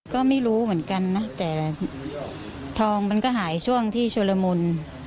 ก็ไม่รู้เหมือนกันนะแต่ทองมันก็หายช่วงที่ชุลมุน